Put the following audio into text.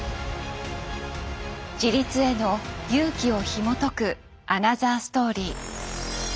自立への勇気をひもとくアナザーストーリー。